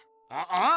ああ？